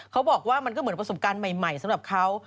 เขาบอกว่ามันก็เหมือนประสบการณ์ใหม่สำหรับเขา